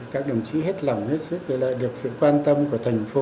các đồng chí hết lòng hết sức để lại được sự quan tâm của thành phố